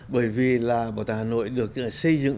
bởi vì là bảo tàng hà nội được xây dựng